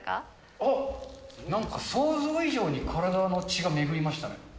あっ、なんか想像以上に体の血が巡りました。